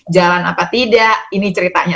jalan apa tidak ini ceritanya